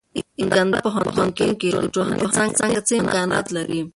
اې کندهار پوهنتون کې د ټولنپوهنې څانګه څه امکانات لري؟